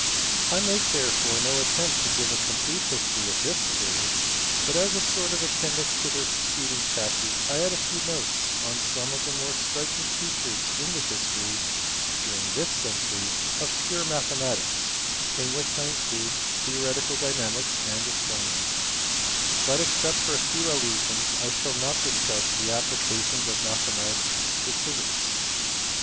I make therefore no attempt to give a complete history of this period, but as a sort of appendix to the preceding chapters I add a few notes on some of the more striking features in the history, during this century, of pure mathe matics (in which I include theoretical dynamics and astronomy) ; but except for a few allusions I shall not discuss the applica tion of mathematics to physics.